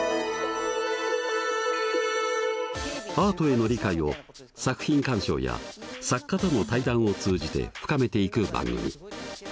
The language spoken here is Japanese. アートへの理解を作品鑑賞や作家との対談を通じて深めていく番組。